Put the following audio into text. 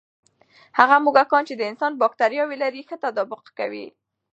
هغه موږکان چې د انسان بکتریاوې لري، ښه تطابق کوي.